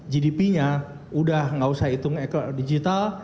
gdp nya udah nggak usah hitung ekonomi digital